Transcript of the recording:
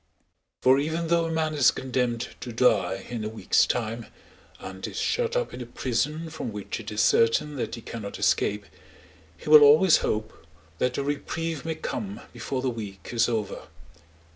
For even though a man is condemned to die in a week's time and is shut up in a prison from which it is certain that he cannot escape, he will always hope that a reprieve may come before the week is over.